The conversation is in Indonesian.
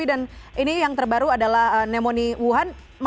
dan ini yang terbaru adalah pneumonia wuhan